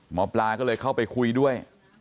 หมอปลาก็เลยเข้าไปคุยด้วย